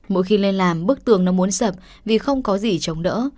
mỗi khi lên làm bức tường nó muốn sập vì không có gì chống đỡ